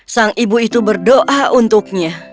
sang ibu itu berdoa untuknya